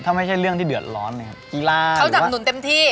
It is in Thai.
ถ้าไม่ใช่เรื่องที่เดือดร้อนนะครับกีฬาเขาจับหนุนเต็มที่